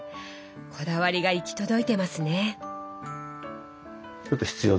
こだわりが行き届いてますね。